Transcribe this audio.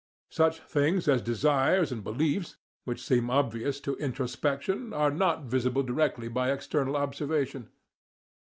Such things as desires and beliefs, which seem obvious to introspection, are not visible directly to external observation.